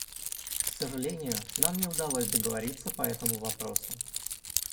К сожалению, нам не удалось договориться по этому вопросу.